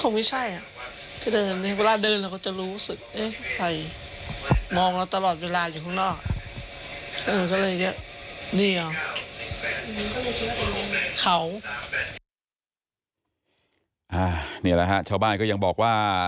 นี่แหละฮะชาวบ้านก็ยังบอกว่า